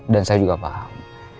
dan saya juga paham